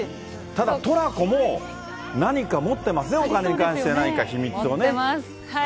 ただ、トラコも何か持ってますね、お金に関して、なんか秘密持ってます。